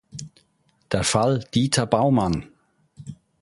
Der Fall Dieter Baumann".